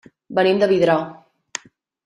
Venim de Vidrà.